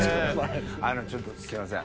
ちょっとすいません